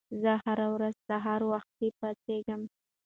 زه هره ورځ سهار وختي پاڅېږم.